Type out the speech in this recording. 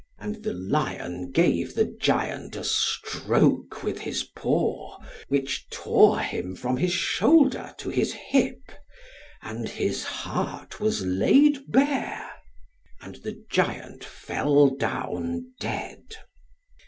And the lion gave the giant a stroke with his paw, which tore him from his shoulder to his hip, and his heart was laid bare. And the giant fell down dead.